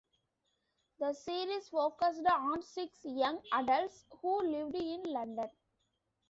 The series focused on six young adults who lived in London.